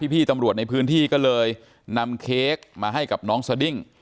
พี่ตำรวจในพื้นที่ก็เลยนำเค้กมาให้กับน้องสดิ้ง